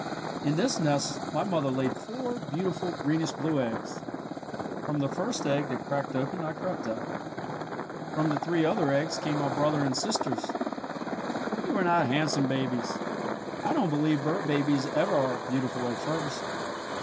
"In this nest my mother laid four beautiful greenish blue eggs. From the first egg that cracked open I crept out. From the three other eggs came my brother and sisters. "We were not handsome babies. I don't believe bird babies ever are beautiful at first.